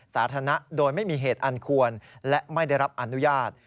สาธารณะโดยไม่มีเหตุอันควรและไม่ได้รับอนุญาต